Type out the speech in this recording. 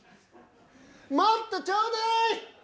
もっとちょうだい！